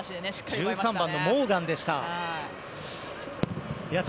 １３番のモーガンでした。